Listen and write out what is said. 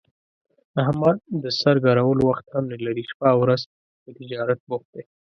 احمد د سر ګرولو وخت هم نه لري، شپه اورځ په تجارت بوخت دی.